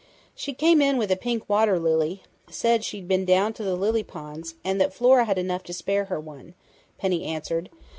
"She came in with a pink water lily said she'd been down to the lily ponds, and that Flora had enough to spare her one," Penny answered.